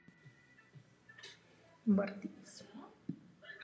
Hradby Horního a Dolního Města na sebe zřejmě navazovaly v oblasti piaristické koleje.